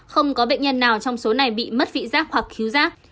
không có bệnh nhân nào trong số này bị mất vị giác hoặc cứu giác